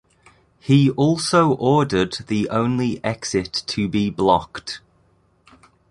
He also ordered the only exit to be blocked.